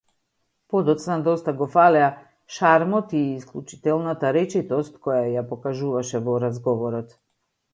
Подоцна доста го фалеа шармот и исклучителната речитост која ја покажуваше во разговорот.